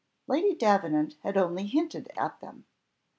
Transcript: Lady Davenant had only hinted at them.